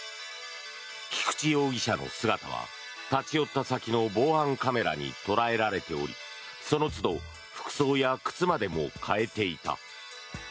菊池容疑者の姿は立ち寄った先の防犯カメラに捉えられておりそのつど服装や靴までも替えていた。